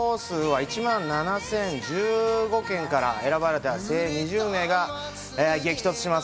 応募総数は１万７０１５件から選ばれた精鋭２０名が激突します。